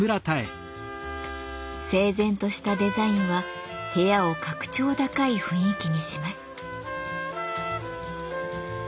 整然としたデザインは部屋を格調高い雰囲気にします。